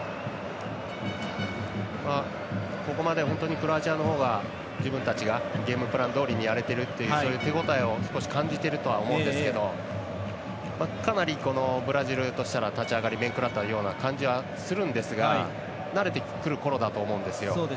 ここまでクロアチアのほうが自分たちがゲームプランどおりやれているというそういう手応えを少し感じているとは思いますけどかなりブラジルとしたら立ち上がり面食らったような感じがするんですが慣れてくるころだと思うんですよ。